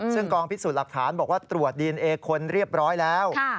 ซึ่งกองพิสูจน์หลักฐานบอกว่าตรวจดีเอนเอคนเรียบร้อยแล้ว